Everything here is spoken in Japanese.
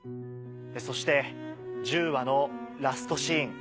そして１０話のラストシーン。